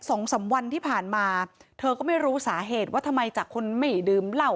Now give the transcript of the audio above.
สองสามวันที่ผ่านมาเธอก็ไม่รู้สาเหตุว่าทำไมจากคนไม่ดื่มเหล้า